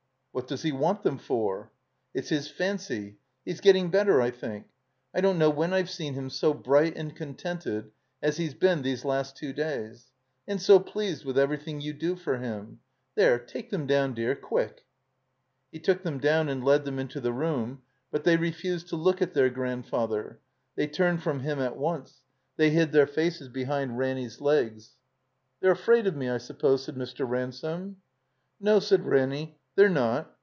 "What does he want them for?" "It's his fancy. He's gettin' better, I think. I don't know when I've seen him so bright and con tented as he's been these last two days. And so pleased with everything you do for him — There, take them down, dear, quick." He took them down and led them into the room. But they refused to look at their grandfather; they turned from him at once ; they hid their faces behind Ranny's legs. "They're afraid of me, I suppose," said Mr. Ransome. "No," said Ranny, "they're not."